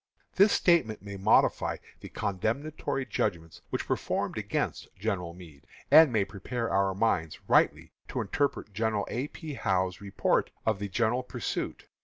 This statement may modify the condemnatory judgments which were formed against General Meade, and may prepare our minds rightly to interpret General A. P. Howe's report of the general pursuit.